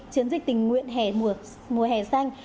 chiến dịch tỉnh nguyện mùa hè xanh